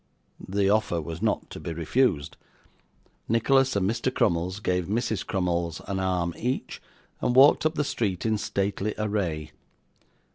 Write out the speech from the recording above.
The offer was not to be refused; Nicholas and Mr. Crummles gave Mrs Crummles an arm each, and walked up the street in stately array.